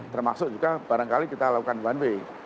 termasuk juga barangkali kita lakukan one way